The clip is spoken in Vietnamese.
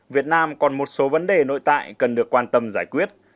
việt nam còn một số vấn đề nội tại cần được quan tâm giải quyết